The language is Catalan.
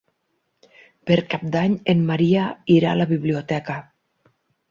Per Cap d'Any en Maria irà a la biblioteca.